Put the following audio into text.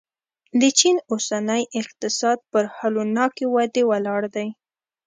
د چین اوسنی اقتصاد پر هولناکې ودې ولاړ دی.